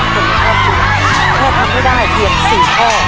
เพื่อทำให้ได้เพียง๔ข้อ